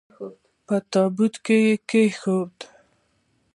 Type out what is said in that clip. په تابوت کې یې کښېښود.